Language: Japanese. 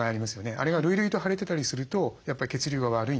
あれが累々と腫れてたりするとやっぱり血流が悪いんですね。